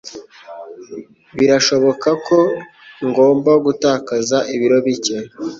Birashoboka ko ngomba gutakaza ibiro bike.